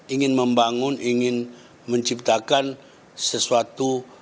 ingin membangun ingin menciptakan sesuatu